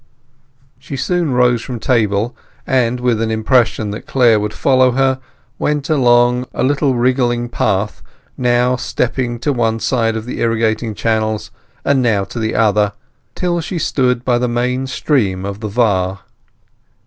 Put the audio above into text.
She soon rose from table, and, with an impression that Clare would soon follow her, went along a little wriggling path, now stepping to one side of the irrigating channels, and now to the other, till she stood by the main stream of the Var.